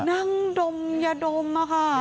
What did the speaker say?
นั่งดมยะดมนะคะ